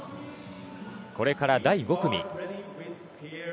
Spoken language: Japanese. これから第５組。